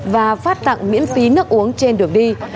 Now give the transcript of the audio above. và phát tặng miễn phí nước uống trên đường đi